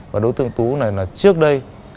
và đối tượng tú này là trước đây